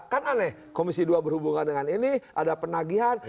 kan aneh komisi dua berhubungan dengan ini ada penagihan